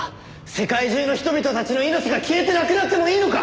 世界中の人々たちの命が消えてなくなってもいいのか！？